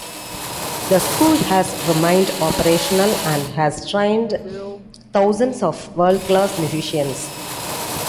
The school has remained operational and has trained thousands of world class musicians.